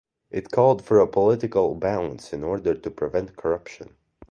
It called for a political balance in order to prevent corruption.